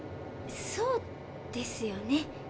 そうですよね。